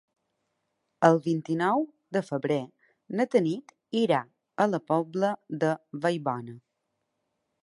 El vint-i-nou de febrer na Tanit irà a la Pobla de Vallbona.